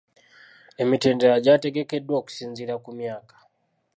Emitendera gyategekeddwa okusinziira ku myaka.